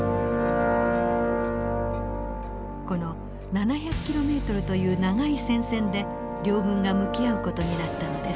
この７００キロメートルという長い戦線で両軍が向き合う事になったのです。